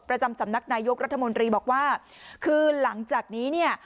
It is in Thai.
ประจำสำนักนายกรัฐมนตรีบอกว่าคือหลังจากนี้เนี่ย